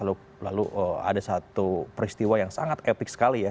lalu ada satu peristiwa yang sangat epik sekali ya